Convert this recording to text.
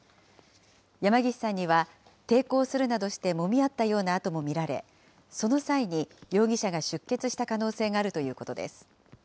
山岸さんには抵抗するなどしてもみ合ったような痕も見られ、その際に容疑者が出血した可能性があるということです。